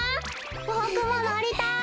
ボクものりたい！